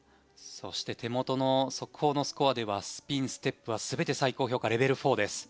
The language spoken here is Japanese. そして手元の速報のスコアではスピン、ステップは全て最高評価レベル４です。